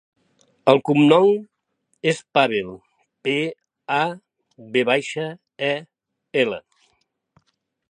El cognom és Pavel: pe, a, ve baixa, e, ela.